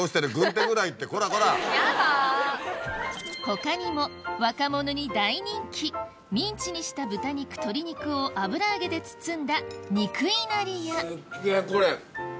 他にも若者に大人気ミンチにした豚肉鶏肉を油揚げで包んだすっげぇこれ。